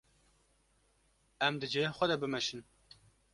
Em di cihê xwe de bimeşin.